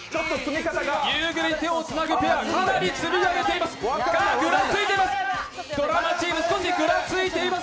「夕暮れに、手をつなぐ」ペアかなり積み上げています！